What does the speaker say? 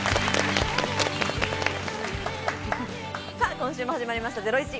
今週も始まりました『ゼロイチ』。